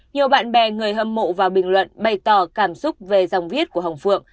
nhiều bạn bè người hâm mộ vào bình luận bày tỏ cảm xúc về dòng viết của hồng phượng